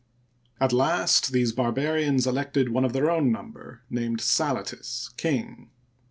At last these barbarians elected one of their own number, named Salatis^ king.